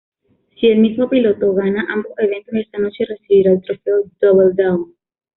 Si el mismo piloto gana ambos eventos esa noche, recibirá el trofeo "Double Down".